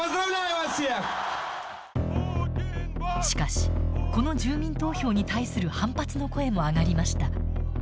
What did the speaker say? しかしこの住民投票に対する反発の声も上がりました。